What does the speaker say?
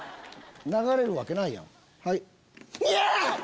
流れるわけないやん。